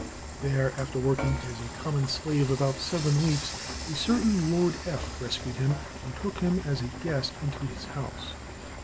There, "after working as a common slave about seven weeks," a certain Lord F. rescued him and took him as a guest into his house.